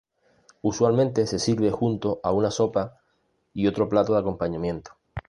Usualmente se sirve junto a una sopa y otro plato de acompañamiento.